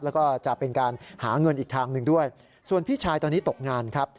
แล้วก็จะเป็นการหาเงินอีกทางหนึ่งด้วยส่วนพี่ชายตอนนี้ตกงานครับ